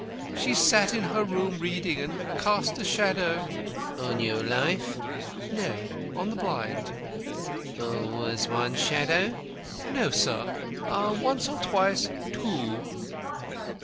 She sat in her room reading, and cast a shadow " "On your life?" "No; on the blind." "Always one shadow?" "No, sir. Once or twice, two."